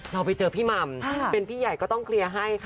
เราไปเจอพี่หม่ำเป็นพี่ใหญ่ก็ต้องเคลียร์ให้ค่ะ